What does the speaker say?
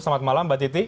selamat malam mbak titi